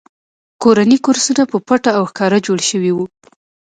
کورني کورسونه په پټه او ښکاره جوړ شوي وو